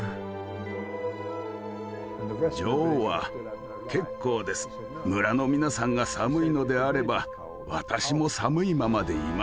女王は「結構です。村の皆さんが寒いのであれば私も寒いままでいます」と言ったんだ。